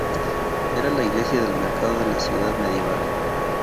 Era la iglesia del mercado de la ciudad medieval.